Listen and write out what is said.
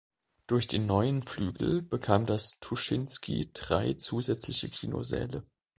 Durch den neuen Flügel bekam das Tuschinski drei zusätzliche Kinosäle.